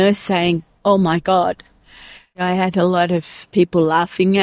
oh tuhan saya memiliki banyak orang yang menangis pada saya